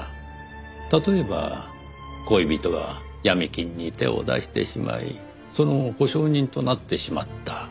例えば恋人が闇金に手を出してしまいその保証人となってしまった。